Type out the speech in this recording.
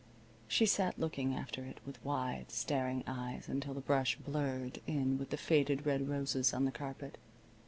She sat looking after it with wide, staring eyes until the brush blurred in with the faded red roses on the carpet.